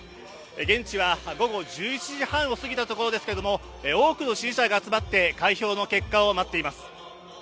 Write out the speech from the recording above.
現地は午後１７時半を過ぎたところですけれども多くの支持者が集まって開票の結果を待っています。